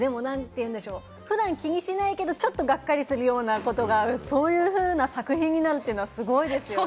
でも、普段気にしないけれども、ちょっとがっかりするようなことが、そういうふうな作品になるっていうのはすごいですよね。